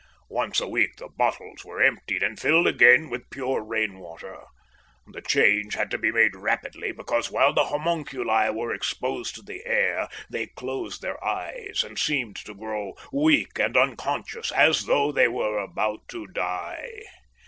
Once a week the bottles were emptied and filled again with pure rain water. The change had to be made rapidly, because while the homunculi were exposed to the air they closed their eyes and seemed to grow weak and unconscious, as though they were about to die.